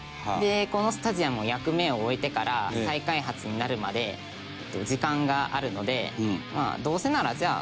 このスタヂアムの役目を終えてから再開発になるまで時間があるのでまあどうせならじゃあ